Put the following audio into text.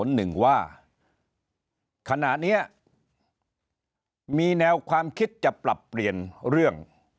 หนึ่งว่าขณะนี้มีแนวความคิดจะปรับเปลี่ยนเรื่อง